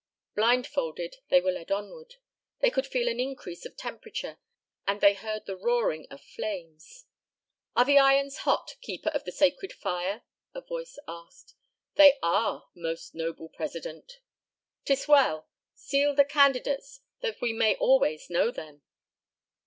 Blindfolded they were led onward. They could feel an increase of temperature, and they heard the roaring of flames. "Are the irons hot, Keeper of the Sacred Fire?" a voice asked. "They are, Most Noble President." "'Tis well. Seal the candidates that we may always know them!"